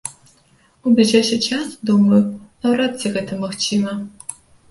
У бліжэйшы час, думаю, наўрад ці гэта магчыма.